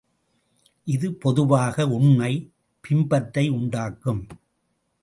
இது பொதுவாக உண்மை பிம்பத்தை உண்டாக்கும்.